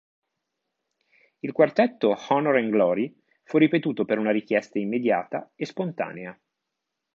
Il quartetto "Honor and Glory" fu ripetuto per una richiesta immediata e spontanea.